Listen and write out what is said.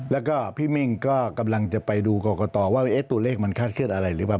แล้วก็พี่มิ่งก็กำลังจะไปดูกรกตว่าตัวเลขมันคาดเคลื่อนอะไรหรือเปล่า